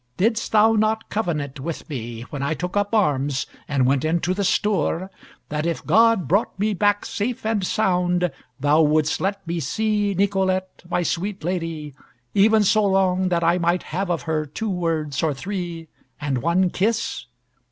Didst thou not covenant with me when I took up arms, and went into the stour, that if God brought me back safe and sound, thou wouldst let me see Nicolette, my sweet lady, even so long that I may have of her two words or three, and one kiss?